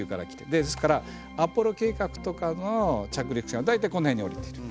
ですからアポロ計画とかの着陸地は大体この辺に降りてる。